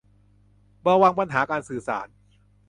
ระวังปัญหาการสื่อสาร